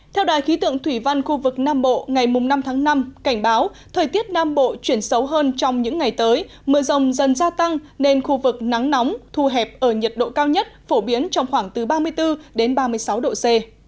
theo đài khí tượng thủy văn khu vực nam bộ ngày năm tháng năm cảnh báo thời tiết nam bộ chuyển xấu hơn trong những ngày tới mưa rông dần gia tăng nên khu vực nắng nóng thu hẹp ở nhiệt độ cao nhất phổ biến trong khoảng từ ba mươi bốn ba mươi sáu độ c